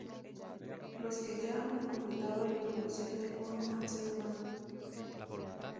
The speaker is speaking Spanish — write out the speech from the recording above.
los que ya han completado la evolución del mono al ser humano